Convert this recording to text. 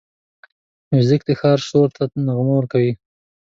موزیک د ښار شور ته نغمه ورکوي.